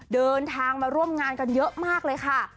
เดินทางมาร่วมงานกันเยอะมากเลยค่ะ